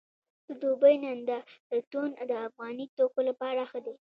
د دوبۍ نندارتون د افغاني توکو لپاره ښه دی